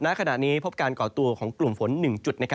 ณขณะนี้พบการก่อตัวของกลุ่มฝน๑จุด